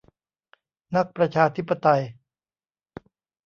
นักประชาธิปไตย